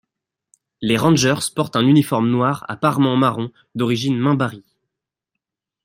Les Rangers portent un uniforme noir à parements marron d'origine minbarie.